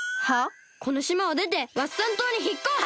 このしまをでてワッサン島にひっこす！